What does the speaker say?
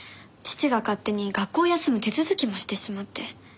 父が勝手に学校を休む手続きもしてしまって。